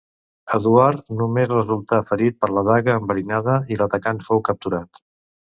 Eduard només resultà ferit per la daga enverinada i l'atacant fou capturat.